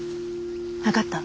分かった。